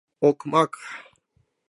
Окмак!